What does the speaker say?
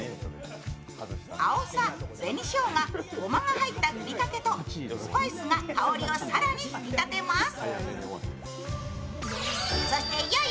あおさ、紅しょうが、ごまが入ったふりかけとスパイスが香りを更に引き立てます。